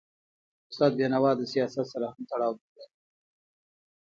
استاد بینوا د سیاست سره هم تړاو درلود.